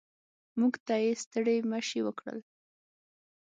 موږ ته یې ستړي مه شي وکړل.